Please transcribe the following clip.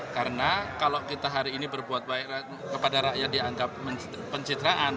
karena kalau kita hari ini berbuat baik kepada rakyat dianggap pencitraan